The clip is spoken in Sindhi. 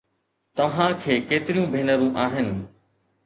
توهان کي ڪيتريون ڀينرون آهن؟